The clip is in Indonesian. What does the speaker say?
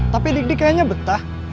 tapi dik dik kayaknya betah